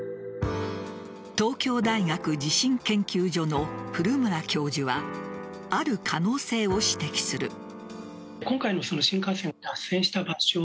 東京大学地震研究所の古村教授はある可能性を指摘する。